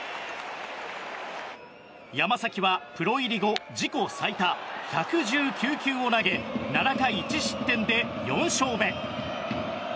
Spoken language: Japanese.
山崎は、プロ入り後自己最多１１９球を投げ７回１失点で４勝目。